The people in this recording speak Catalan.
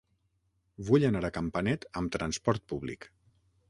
Vull anar a Campanet amb transport públic.